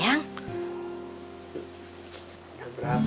kalau kamu disitu disitu